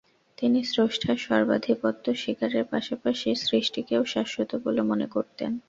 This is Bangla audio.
তিনি স্রষ্টার সর্বাধিপত্য স্বীকারের পাশাপাশি সৃষ্টিকেও শাশ্বত বলে মনে করতেন।